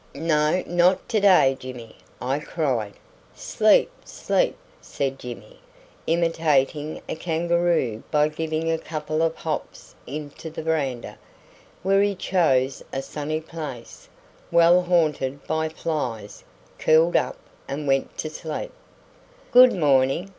"No, not to day, Jimmy," I cried. "Sleep, sleep," said Jimmy, imitating a kangaroo by giving a couple of hops into the verandah, where he chose a sunny place, well haunted by flies, curled up, and went to sleep. "Good morning!"